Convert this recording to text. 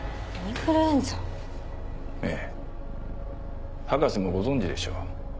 ええ博士もご存じでしょう。